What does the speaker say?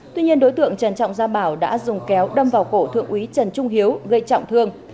tuy nhiên đối tượng trần trọng gia bảo đã dùng kéo đâm vào cổ thượng úy trần trung hiếu gây trọng thương